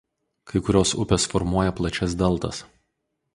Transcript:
Kai kurios upės formuoja plačias deltas.